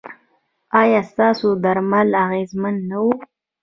ایا ستاسو درمل اغیزمن نه وو؟